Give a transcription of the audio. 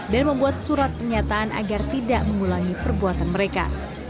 dan membuat surat pernyataan agar tidak mengulangi perbuatan mereka